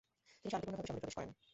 তিনি শান্তিপূর্ণভাবে শহরে প্রবেশ করেন।